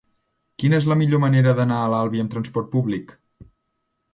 Quina és la millor manera d'anar a l'Albi amb trasport públic?